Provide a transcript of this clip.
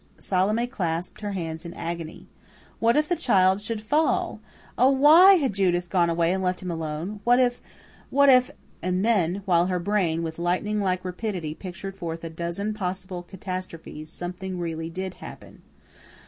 Salome clasped her hands in agony. What if the child should fall? Oh! why had Judith gone away and left him alone? What if what if and then, while her brain with lightning like rapidity pictured forth a dozen possible catastrophes, something really did happen.